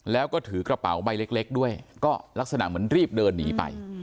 แล้วก็ถือกระเป๋าใบเล็กด้วยก็ลักษณะเหมือนรีบเดินหนีไป